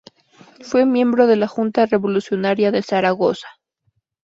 Fue miembro de la Junta Revolucionaria de Zaragoza.